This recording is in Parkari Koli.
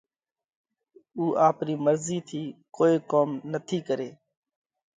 اُو آپرِي مرضِي ٿِي ڪوئي ڪوم نٿِي ڪري